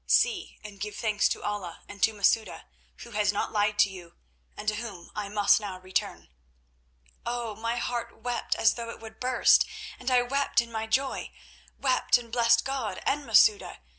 See and give thanks to Allah and to Masouda, who has not lied to you, and to whom I must now return.' "Oh! my heart wept as though it would burst, and I wept in my joy—wept and blessed God and Masouda.